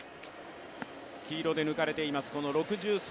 黄色で抜かれています